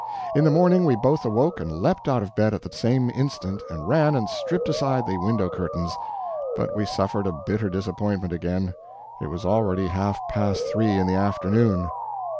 In the morning we both awoke and leaped out of bed at the same instant and ran and stripped aside the window curtains; but we suffered a bitter disappointment again: it was already half past three in the afternoon.